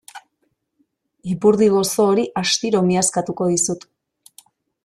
Ipurdi gozo hori astiro miazkatuko dizut.